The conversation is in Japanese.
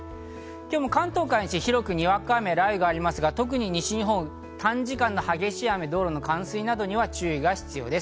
今日も関東から西、広くにわか雨や雷雨がありますが特に西日本、短時間の激しい雨、道路の冠水などに注意が必要です。